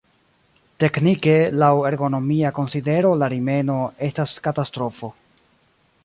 Teknike, laŭ ergonomia konsidero la rimeno estas katastrofo.